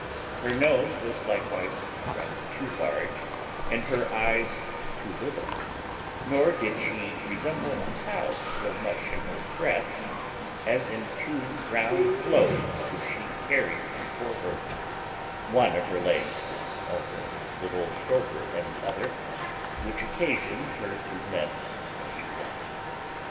Her nose was likewise rather too large, and her eyes too little; nor did she resemble a cow so much in her breath as in two brown globes which she carried before her; one of her legs was also a little shorter than the other, which occasioned her to limp as she walked.